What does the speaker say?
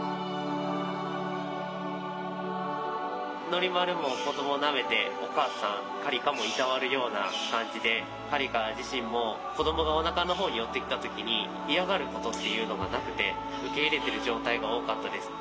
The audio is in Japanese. ノリマルも子どもなめてお母さんカリカもいたわるような感じでカリカ自身も子どもがおなかの方に寄っていった時に嫌がることっていうのがなくて受け入れてる状態が多かったです。